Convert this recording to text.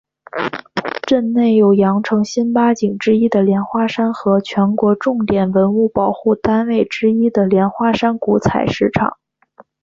镇内有羊城新八景之一的莲花山和全国重点文物保护单位之一的莲花山古采石场。